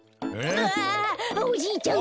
うわおじいちゃん